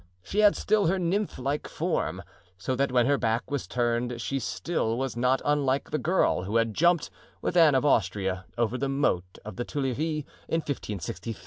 She had still her nymph like form, so that when her back was turned she still was not unlike the girl who had jumped, with Anne of Austria, over the moat of the Tuileries in 1563.